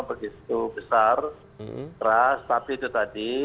begitu besar keras tapi itu tadi